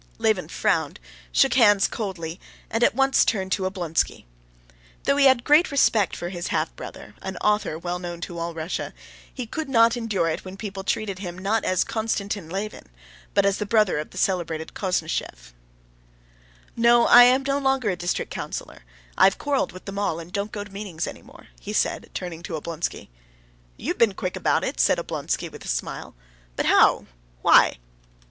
Levin frowned, shook hands coldly, and at once turned to Oblonsky. Though he had a great respect for his half brother, an author well known to all Russia, he could not endure it when people treated him not as Konstantin Levin, but as the brother of the celebrated Koznishev. "No, I am no longer a district councilor. I have quarreled with them all, and don't go to the meetings any more," he said, turning to Oblonsky. "You've been quick about it!" said Oblonsky with a smile. "But how? why?"